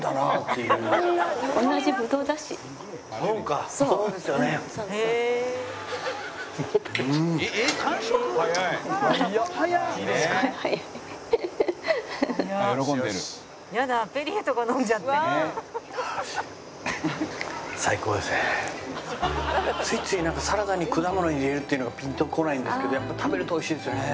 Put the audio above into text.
ついついなんかサラダに果物入れるっていうのがピンとこないんですけどやっぱり食べると美味しいですよね。